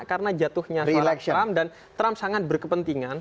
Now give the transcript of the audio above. karena jatuhnya suara trump dan trump sangat berkepentingan